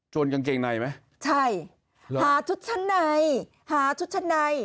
กางเกงในไหมใช่เหรอหาชุดชั้นในหาชุดชั้นใน